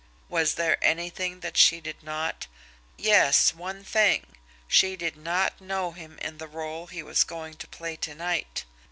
Was there anything that she did not yes, one thing she did not know him in the role he was going to play to night.